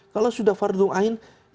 kalau sudah fardung ain